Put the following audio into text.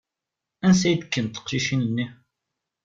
Ansa i d-kkant teqcicin-nni?